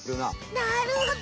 なるほど！